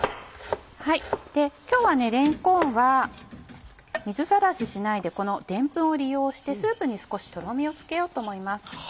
今日はれんこんは水さらししないでこのでんぷんを利用してスープに少しとろみをつけようと思います。